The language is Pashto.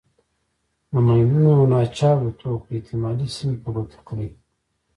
د ماینونو او ناچاودو توکو احتمالي سیمې په ګوته کړئ.